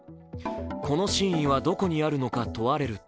この真意はどこにあるのか問われると